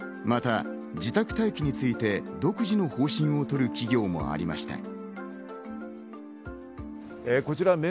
また自宅待機について独自の方針をとる企業もありました。